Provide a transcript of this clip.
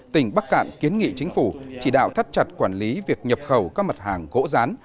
tỉnh bắc cạn kiến nghị chính phủ chỉ đạo thắt chặt quản lý việc nhập khẩu các mặt hàng gỗ rán